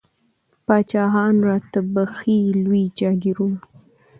پاچاهان را ته بخښي لوی جاګیرونه